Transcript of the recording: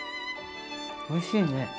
おいしいね！